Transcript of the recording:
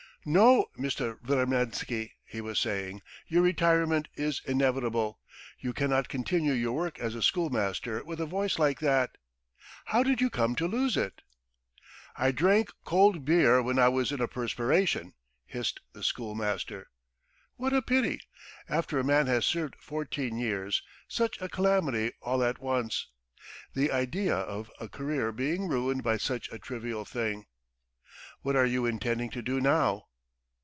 "No, Mr. Vremensky," he was saying, "your retirement is inevitable. You cannot continue your work as a schoolmaster with a voice like that! How did you come to lose it?" "I drank cold beer when I was in a perspiration. .." hissed the schoolmaster. "What a pity! After a man has served fourteen years, such a calamity all at once! The idea of a career being ruined by such a trivial thing. What are you intending to do now?"